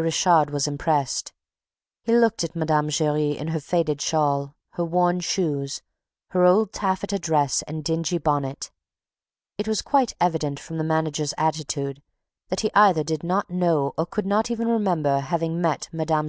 Richard was impressed. He looked at Mme. Giry, in her faded shawl, her worn shoes, her old taffeta dress and dingy bonnet. It was quite evident from the manager's attitude, that he either did not know or could not remember having met Mme.